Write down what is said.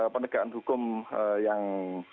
penegaan hukum yang